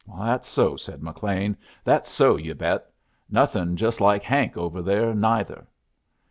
"That's so," said McLean. "That's so, you bet! Nothin' just like Hank over there, neither."